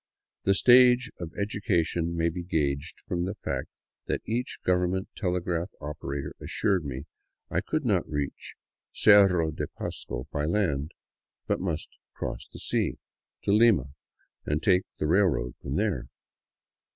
The stage of education may be gaged from the fact that the government telegraph operator assured me I could not reach Cerro de Pasco by land, but must cross the sea " to Lima and take the rail road from there.